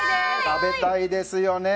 食べたいですよね。